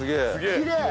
きれい！